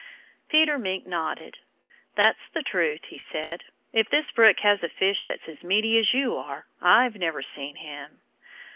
Peter Mink nodded. "That's the truth," he said. "If this brook has a fish that's as meaty as you are, I've never seen him."